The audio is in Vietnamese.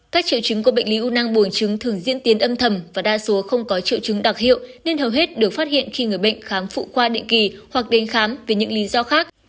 các triệu trứng của bệnh lý u nang buồng trứng thường diễn tiến âm thầm và đa số không có triệu trứng đặc hiệu nên hầu hết được phát hiện khi người bệnh khám phụ khoa định kỳ hoặc đến khám về những lý do khác